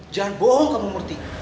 jangan bohong kamu murti